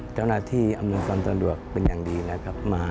เจ้าหน้าที่อำนวงศ์ตอนตอนดวกเป็นอย่างดีนะครับ